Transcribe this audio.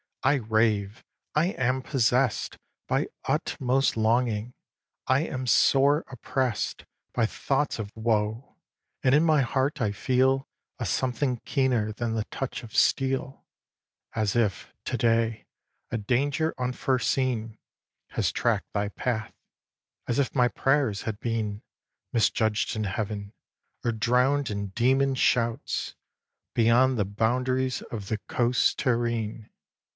I rave; I am possess'd By utmost longing. I am sore oppress'd By thoughts of woe; and in my heart I feel A something keener than the touch of steel, As if, to day, a danger unforeseen Had track'd thy path, as if my prayers had been Misjudged in Heaven, or drown'd in demon shouts Beyond the boundaries of the coasts terrene.